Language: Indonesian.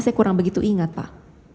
saya kurang begitu ingat pak